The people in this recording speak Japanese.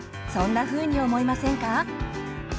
そんなふうに思いませんか？